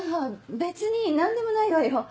別に何でもないわよ。